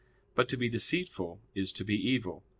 But to be deceitful is to be evil.